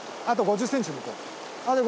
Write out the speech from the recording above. あと５０ｃｍ？